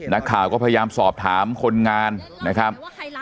นักข่าวก็พยายามสอบถามคนงานนะครับ